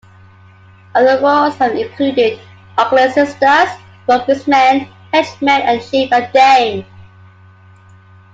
Other roles have included: Ugly Sisters, Broker's Men, Henchmen and Chief and Dame.